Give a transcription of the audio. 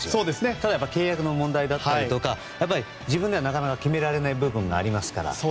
ただ契約の問題だったりとか自分ではなかなか決められない部分がありますから。